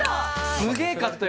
すげえ買ったよ